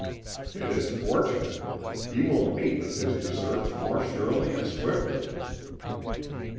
"It is fortunate. He will meet with his deserts more surely and swiftly."